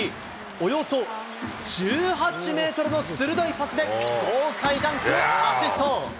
およそ１８メートルの鋭いパスで、豪快ダンクをアシスト。